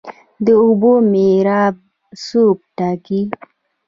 د اوبو میراب څوک ټاکي؟